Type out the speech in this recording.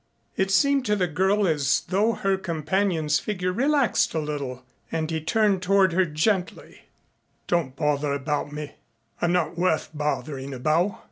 It seemed to the girl as though her companion's figure relaxed a little. And he turned toward her gently. "Don't bother about me. I'm not worth bothering about.